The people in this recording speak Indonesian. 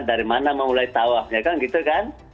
dari mana memulai tawafnya kan gitu kan